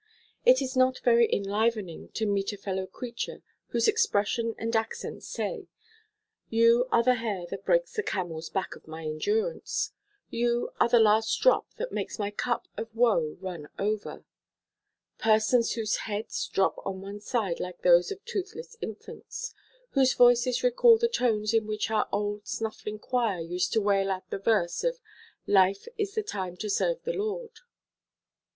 It is not very enlivening to meet a fellow creature whose expression and accents say, "You are the hair that breaks the camel's back of my endurance; you are the last drop that makes my cup of woe run over"; persons whose heads drop on one side like those of toothless infants; whose voices recall the tones in which our old snuffling choir used to wail out the verse of "Life is the time to serve the Lord."